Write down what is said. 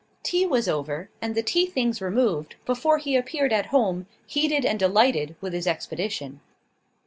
Tea was over, and the tea things removed, before he appeared at home, heated and delighted with his expedition.